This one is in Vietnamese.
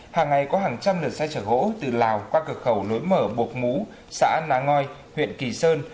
hàng ngày có hàng trăm lượt xe chở gỗ từ lào qua cửa khẩu lối mở bột ngũ xã an ná ngoi huyện kỳ sơn